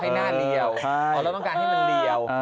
อ๋อแล้วมันต้องการให้มันเรียว